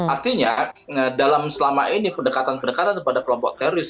artinya dalam selama ini pendekatan pendekatan kepada kelompok teroris